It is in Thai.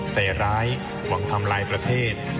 ใส่ร้ายหวังทำลายประเทศ